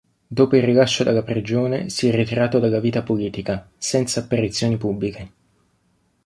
Dopo il rilascio dalla prigione, si è ritirato dalla vita politica, senza apparizioni pubbliche.